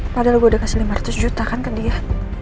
padahal gue udah kasih lima ratus juta kan ke dia